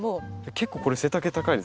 結構これ背丈高いですね。